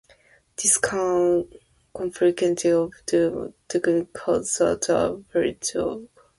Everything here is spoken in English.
This can complicate optimization techniques that are applied on machine code.